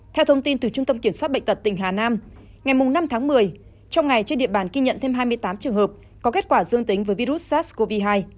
theo thông tin từ trung tâm kiểm soát bệnh tật tỉnh hà nam ngày năm tháng một mươi trong ngày trên địa bàn ghi nhận thêm hai mươi tám trường hợp có kết quả dương tính với virus sars cov hai